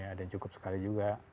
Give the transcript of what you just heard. ada yang cukup sekali juga